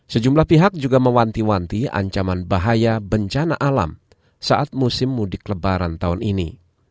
sejumlah pihak juga mewanti wanti ancaman bahaya bencana alam saat musim mudik lebaran tahun ini